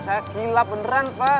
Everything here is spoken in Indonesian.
saya kilap beneran pak